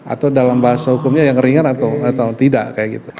atau dalam bahasa hukumnya yang ringan atau tidak kayak gitu